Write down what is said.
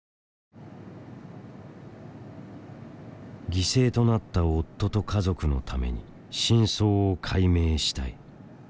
犠牲となった夫と家族のために真相を解明したい。